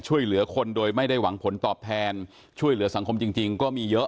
ช่วยเหลือคนโดยไม่ได้หวังผลตอบแทนช่วยเหลือสังคมจริงก็มีเยอะ